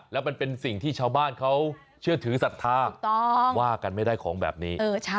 แล้วมันเป็นสิ่งที่ชาวบ้านเขาเชื่อถือศรัทธาว่ากันไม่ได้ของแบบนี้